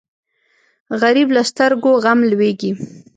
غریب له سترګو غم لوېږي